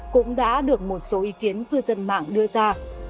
cũng đã được một số ý kiến cư dân mạng đưa ra